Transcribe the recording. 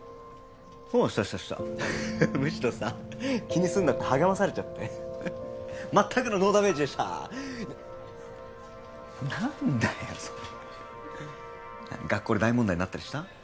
おうしたしたしたむしろさ気にすんなって励まされちゃって全くのノーダメージでした何だよそれ学校で大問題になったりした？